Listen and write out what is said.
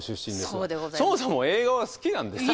そもそも映画は好きなんですか？